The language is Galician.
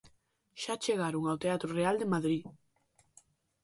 Xa chegaron ao Teatro Real de Madrid.